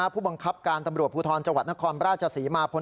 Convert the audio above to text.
ผู้บังคับการตำรวจภูทรจนครราชสีมาพล